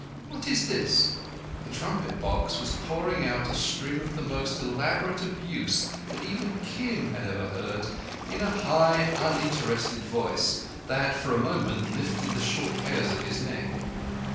What is this?" The trumpet box was pouring out a string of the most elaborate abuse that even Kim had ever heard, in a high uninterested voice, that for a moment lifted the short hairs of his neck.